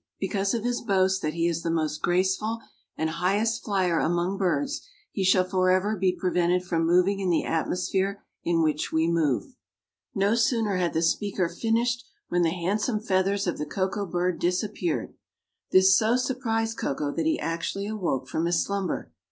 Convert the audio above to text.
Because of his boast that he is the most graceful and highest flyer among birds, he shall forever be prevented from moving in the atmosphere in which we move." No sooner had the speaker finished when the handsome feathers of the Koko bird disappeared. This so surprised Koko that he actually awoke from his slumber.